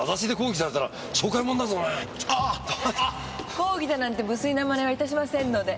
抗議だなんて無粋な真似はいたしませんので。